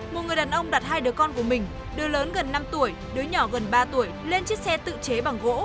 một người đàn ông đặt hai đứa con của mình đưa lớn gần năm tuổi đứa nhỏ gần ba tuổi lên chiếc xe tự chế bằng gỗ